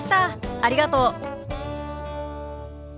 ありがとう。